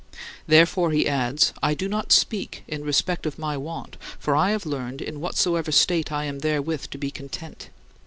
Therefore he adds: "I do not speak in respect of my want, for I have learned in whatsoever state I am therewith to be content.